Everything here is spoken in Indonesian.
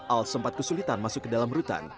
al sempat kesulitan masuk ke dalam rutan